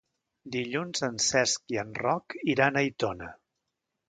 Dilluns en Cesc i en Roc iran a Aitona.